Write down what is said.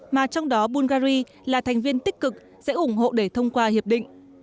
mà trong đó bungary là thành viên tích cực sẽ ủng hộ để thông qua hiệp định